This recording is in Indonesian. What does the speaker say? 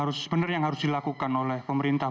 ustadz terakhir apa yang harus dilakukan oleh pemerintah